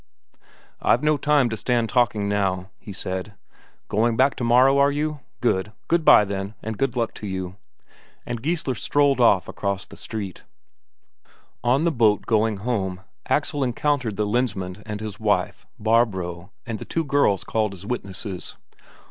"I've no time to stand talking now," he said. "Going back tomorrow, are you? Good. Good bye, then, and good luck to you." And Geissler strolled off across the street. On the boat going home, Axel encountered the Lensmand and his wife, Barbro and the two girls called as witnesses.